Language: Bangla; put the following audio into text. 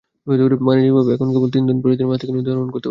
বাণিজ্যিকভাবে এখন কেবল তিন প্রজাতির মাছ নদী থেকে আহরণ করতে পারেন জেলেরা।